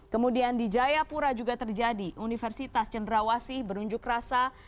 kemudian di jayapura juga terjadi universitas cenderawasih berunjuk rasa